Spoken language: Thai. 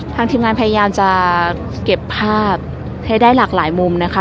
ทีมงานพยายามจะเก็บภาพให้ได้หลากหลายมุมนะคะ